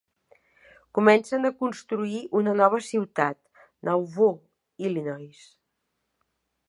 Comencen a construir una nova ciutat, Nauvoo, Illinois.